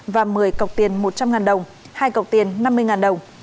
và một mươi cọc tiền một trăm linh đồng hai cọc tiền năm mươi đồng